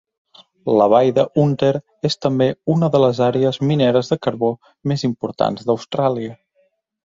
La vall de Hunter és també una de les àrees mineres de carbó més importants d'Austràlia.